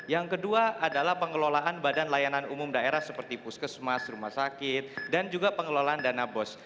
yang kedua adalah pengelolaan badan layanan umum daerah seperti puskesmas rumah sakit dan juga pengelolaan dana bos